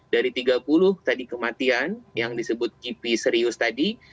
dari tiga puluh tadi kematian yang disebut kipi serius tadi